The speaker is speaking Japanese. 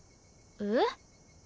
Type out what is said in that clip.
えっ？